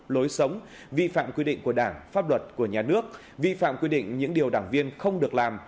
lối sống vi phạm quy định của đảng pháp luật của nhà nước vi phạm quy định những điều đảng viên không được làm